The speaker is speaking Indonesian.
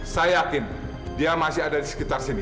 saya yakin dia masih ada di sekitar sini